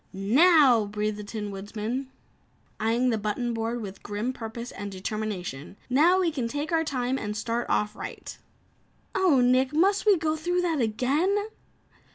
"Now!" breathed the Tin Woodman eyeing the button board with grim purpose and determination, "Now we can take our time and start off right." "Oh, Nick! Must we go through all that again?"